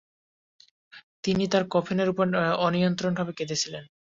তিনি তাঁর কফিনের উপর অনিয়ন্ত্রিতভাবে কেঁদেছিলেন।